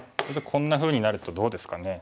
こんなふうになるとどうですかね。